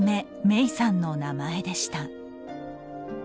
・芽生さんの名前でした。